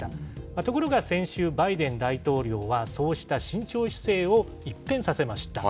ところが先週、バイデン大統領は、そうした慎重姿勢を一転させました。